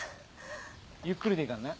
ゆっくりでいいからね。